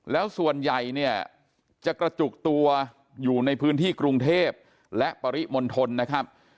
แล้วส่วนใหญ่เนี่ยจะกระจุกตัวอยู่ในพื้นที่กรุงเทพและปริมณฑลนะครับ